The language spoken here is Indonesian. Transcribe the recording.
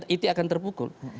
itu akan terpukul